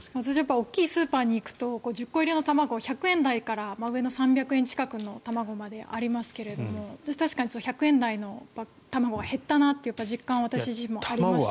大きいスーパーに行くと１０個入りの卵１００円台から上の３００円近くの卵までありますが１００円台の卵は減ったなという実感、私自身もありますし。